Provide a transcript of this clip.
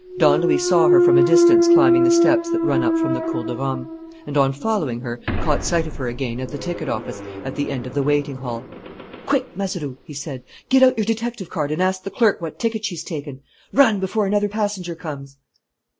Don Luis saw her from a distance climbing the steps that run up from the Cour de Rome; and, on following her, caught sight of her again at the ticket office at the end of the waiting hall. "Quick, Mazeroux!" he said. "Get out your detective card and ask the clerk what ticket she's taken. Run, before another passenger comes."